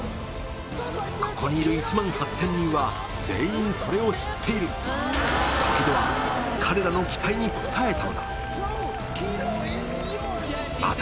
ここにいる１万８０００人は全員それを知っているときどは彼らの期待に応えたのだまた